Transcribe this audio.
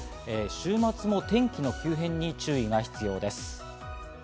週末も天気の急変に注意が必要です。